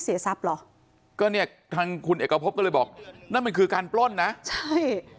เสียทรัพย์เหรอก็เนี่ยทางคุณเอกพบก็เลยบอกนั่นมันคือการปล้นนะใช่